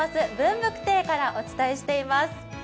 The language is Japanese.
ぶく亭からお伝えしています。